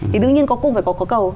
thì tự nhiên có cung phải có cầu